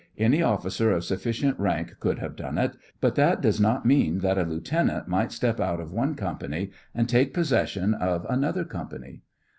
Any oiffcer of sufficient rank could have done it ; but that does not mean that a lieutenant might step out of one company and take possession of another company.